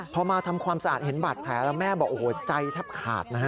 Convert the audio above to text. พอมาทำความสะอาดเห็นบาดแผลแล้วแม่บอกโอ้โหใจแทบขาดนะฮะ